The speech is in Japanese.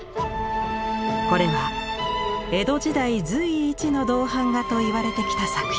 これは江戸時代髄一の銅版画と言われてきた作品。